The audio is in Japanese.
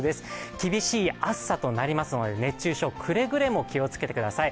厳しい暑さとなりますので熱中症、くれぐれも気をつけてください。